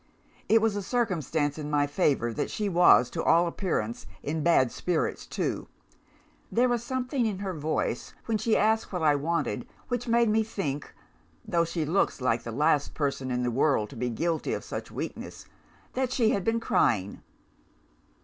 It was a circumstance in my favour that she was, to all appearance, in bad spirits too. There was something in her voice, when she asked what I wanted, which made me think though she looks like the last person in the world to be guilty of such weakness that she had been crying.